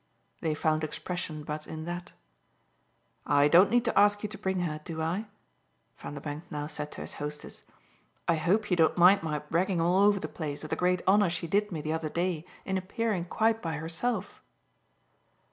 they found expression but in that. "I don't need to ask you to bring her, do I?" Vanderbank now said to his hostess. "I hope you don't mind my bragging all over the place of the great honour she did me the other day in appearing quite by herself."